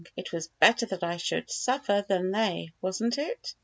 It was better that I should suffer than they, wasn't it